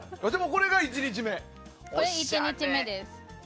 これが１日目です。